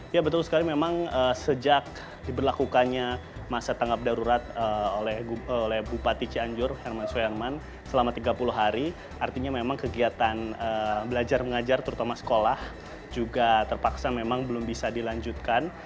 ya betul sekali memang sejak diberlakukannya masa tanggap darurat oleh bupati cianjur herman suyarman selama tiga puluh hari artinya memang kegiatan belajar mengajar terutama sekolah juga terpaksa memang belum bisa dilanjutkan